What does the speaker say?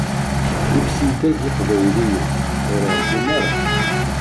Imsidag iqbayliyen ur ɛeggun ara.